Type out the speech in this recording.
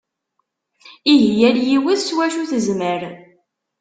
Ihi yal yiwet s wacu tezmer.